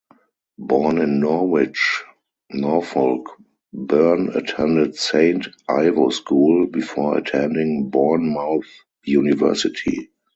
Born in Norwich, Norfolk, Byrne attended Saint Ivo School before attending Bournemouth University.